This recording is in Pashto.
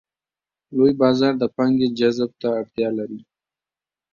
لوی بازار د پانګې جذب ته اړتیا لري.